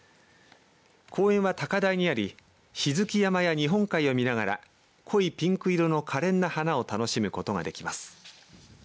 公園は高台にあり指月山や日本海を見ながら濃いピンク色のかれんな花を楽しむことができます。